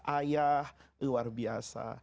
ayah luar biasa